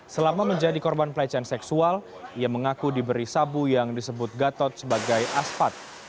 selama menjadi korban pelecehan seksual ia mengaku diberi sabu yang disebut gatot sebagai aspat